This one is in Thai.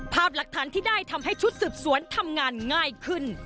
ภาพหลักฐานที่ได้ทำให้ชุดสืบสวนทำงานง่ายขึ้น